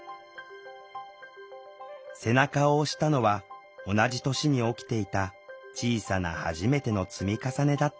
背中を押したのは同じ年に起きていた小さな「はじめて」の積み重ねだった。